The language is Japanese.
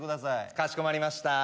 かしこまりました。